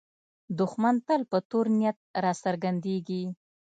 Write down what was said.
دښمن تل په تور نیت راڅرګندېږي